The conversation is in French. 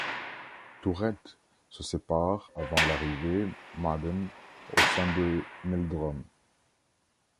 Tourettes se sépare avant l'arrivée Madden au sein de Meldrum.